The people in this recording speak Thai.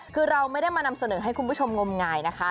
คือเราไม่ได้มานำเสนอให้คุณผู้ชมงมงายนะคะ